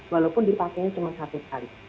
walaupun dipakainya cuma satu kali